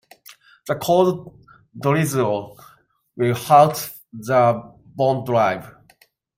The cold drizzle will halt the bond drive.